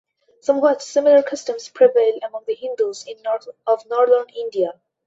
Somewhat similar customs prevail among the Hindus of Northern India.